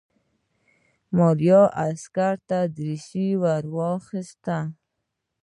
ماريا عسکري دريشي واخيسته.